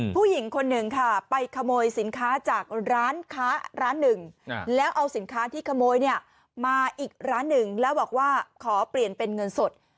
ผู้หญิงคนหนึ่งค่ะไปขโมยสินค้าจากร้านค้าร้านหนึ่งแล้วเอาสินค้าที่ขโมยเนี่ยมาอีกร้านหนึ่งแล้วบอกว่าขอเปลี่ยนเป็นเงินสด